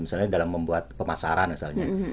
misalnya dalam membuat pemasaran misalnya